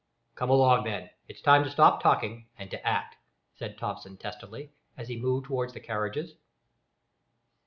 "Come along, then; it's time to stop talking and to act," said Thomson, testily, as he moved towards the carriages.